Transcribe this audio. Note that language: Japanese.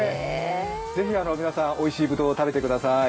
ぜひ皆さん、おいしいぶどうを食べてください。